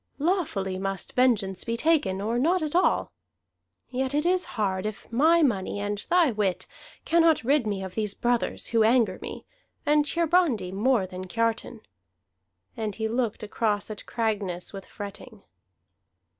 Lawfully must vengeance be taken, or not at all. Yet it is hard if my money and thy wit cannot rid me of these brothers, who anger me, and Hiarandi more than Kiartan." And he looked across at Cragness with fretting.